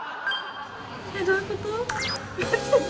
えっどういうこと？